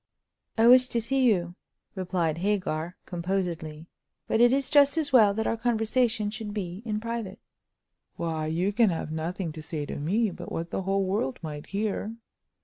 "I wish to see you," replied Hagar, composedly, "but it is just as well that our conversation should be in private." "Why, you can have nothing to say to me but what the whole world might hear!"